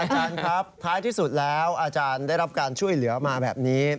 อาจารย์ครับท้ายที่สุดแล้วอาจารย์ได้รับการช่วยเหลือมาแบบนี้